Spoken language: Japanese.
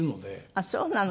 あっそうなの。